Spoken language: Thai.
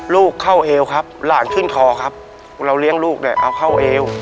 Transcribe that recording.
ลูกเข้าเอวครับหลานขึ้นคอครับเราเลี้ยงลูกเนี่ยเอาเข้าเอว